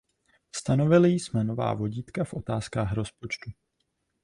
Stanovili jsme nová vodítka v otázkách rozpočtu.